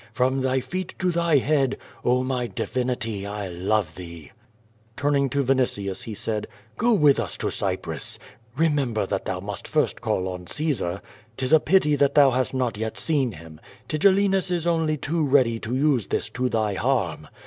"From thy feet to thy head, oh my divinity! I love thee." Turning to Vinitius he said: "Go with us to Cyprus. Re member that thou must first call on Caesar. 'Tis a pity that thou hast not yet seen him. Tigellinus is only too ready to use this to thy harm.